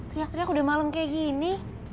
teriak teriak udah malem kayak gini